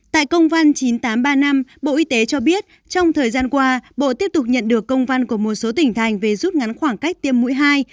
tại công văn chín nghìn tám trăm ba mươi năm bộ y tế cho biết trong thời gian qua bộ tiếp tục nhận được công văn của một số tỉnh thành về rút ngắn khoảng cách tiêm mũi hai